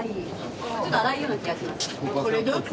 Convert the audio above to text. ちょっと粗いような気がします。